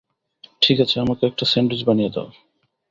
ঠিক আছে, আমাকে একটা স্যান্ডউইচ বানিয়ে দাও।